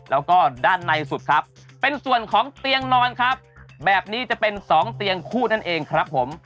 แล้วก็ด้านในสุดครับเป็นส่วนของเตียงนอนครับแบบนี้จะเป็นสองเตียงคู่นั่นเองครับผม